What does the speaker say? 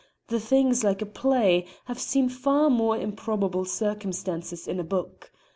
The thing's like a play; I've seen far more improbable circumstances in a book.